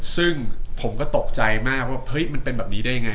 ซึ่งผมก็ตกใจมากว่าเฮ้ยมันเป็นแบบนี้ได้ยังไง